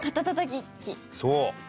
そう！